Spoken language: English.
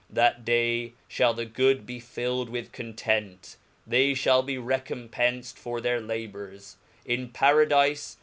That day fhall the good be filled with content, they (hall be recompcnfed for their la hours ; in Paradife.